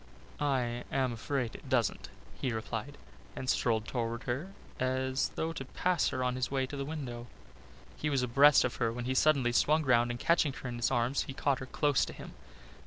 "I am afraid it doesn't," he replied, and strolled towards her as though to pass her on his way to the window. He was abreast of her when he suddenly swung round and catching her in his arms he caught her close to him.